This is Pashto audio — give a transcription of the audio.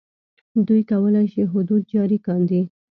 دوی کولای شي حدود جاري کاندي.